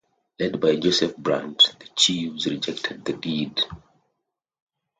Led by Joseph Brant, the chiefs rejected the deed.